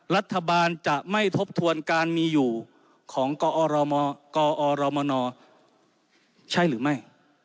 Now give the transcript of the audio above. รัฐบาลจะไม่ทบทวนการมีอยู่ของกอรมนใช่หรือไม่